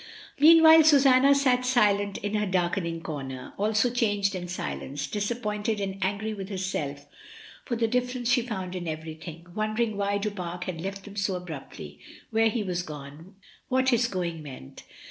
Meanwhile Susanna sat silent in her darkening comer, also changed and silenced, disappointed and angry with herself for the difference she found in everything; wondering why Du Pare had left them so abruptly, where he was gone, what his going meant.